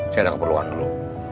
saya ada keperluan dulu